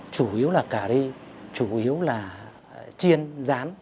chủ yếu là cà ri chủ yếu là chiên rán